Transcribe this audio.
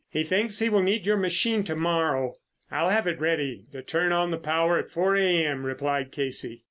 "He thinks he will need your machine to morrow." "I'll have it ready to turn on the power at four A.M.," replied Casey.